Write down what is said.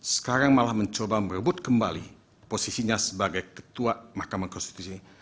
sekarang malah mencoba merebut kembali posisinya sebagai ketua mahkamah konstitusi